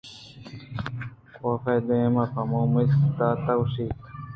کافءَ دیم پہ مومس ءَدات ءُگوٛشت